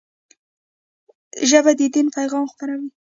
ژبه د دین پيغام خپروي